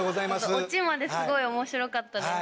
オチまですごい面白かったです。